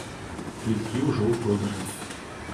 Квіткі ўжо ў продажы!